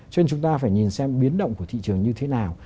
cho nên chúng ta phải nhìn xem biến động của thị trường như thế nào